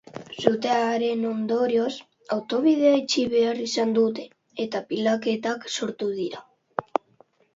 Sutearen ondorioz, autobidea itxi behar izan dute, eta pilaketak sortu dira.